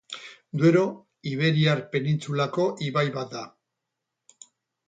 Duero Iberiar penintsulako ibai bat da.